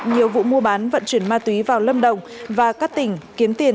nhiều vụ mua bán vận chuyển ma túy vào lâm đồng và các tỉnh kiếm tiền